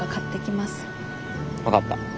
分かった。